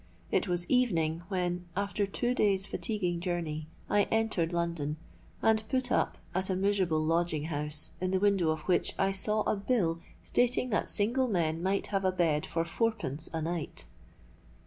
It was evening when, after two days' fatiguing journey, I entered London, and put up at a miserable lodging house in the window of which I saw a bill stating that single men might have a bed for fourpence a night.